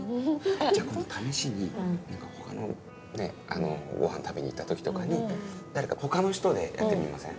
じゃあ今度試しに他のごはん食べに行った時とかに誰か他の人でやってみません？